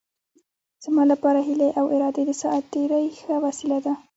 زما لپاره هیلې او ارادې د ساعت تېرۍ ښه وسیله ده.